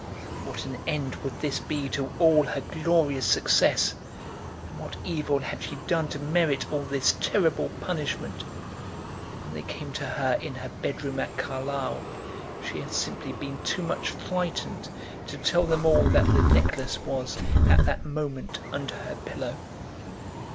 What an end would this be to all her glorious success? And what evil had she done to merit all this terrible punishment? When they came to her in her bedroom at Carlisle she had simply been too much frightened to tell them all that the necklace was at that moment under her pillow.